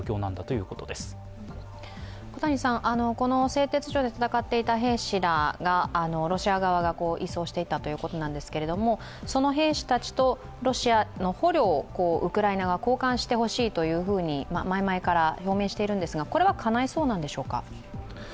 製鉄所で戦っていた兵士らがロシア側が移送していたということなんですけれども、その兵士たちとロシアの捕虜をウクライナ側が交換してほしいというふうに前々から表明しているんですが、これはかないそうなんでしょうか？